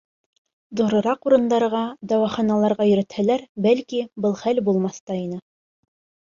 Ҙурыраҡ урындарға, дауаханаларға йөрөтһәләр, бәлки, был хәл булмаҫ та ине.